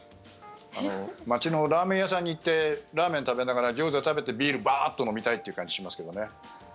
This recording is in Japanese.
街のラーメン屋さんに行ってラーメン食べながらギョーザ食べてビール、バーッと飲みたいという感じしますけどね。